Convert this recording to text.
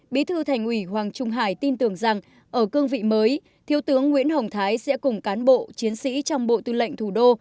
bí thư thành ủy hoàng trung hải tin tưởng rằng ở cương vị mới thiếu tướng nguyễn hồng thái sẽ cùng cán bộ chiến sĩ trong bộ tư lệnh thủ đô